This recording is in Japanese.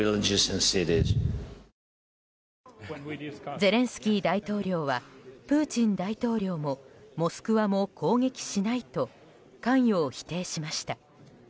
ゼレンスキー大統領はプーチン大統領もモスクワも攻撃しないと関与を否定しました。